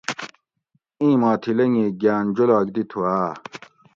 اِیں ما تھی لنگی گھاۤن جولاگ دی تُھوآۤ؟